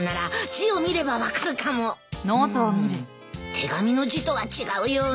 手紙の字とは違うような。